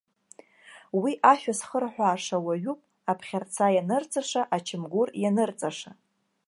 Уи ашәа зхырҳәааша уаҩуп, аԥхьарца ианырҵаша, ачамгәыр ианырҵаша!